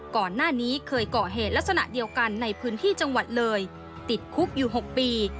ก่อนหน้านี้เคยเกาะเหตุลักษณะเดียวกันในพื้นที่จังหวัดเลยติดคุกอยู่๖ปี